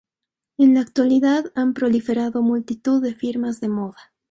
En la actualidad han proliferado multitud de firmas de moda.